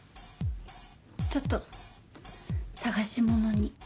ちょっと探し物に。